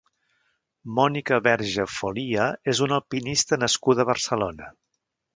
Mònica Verge Folia és una alpinista nascuda a Barcelona.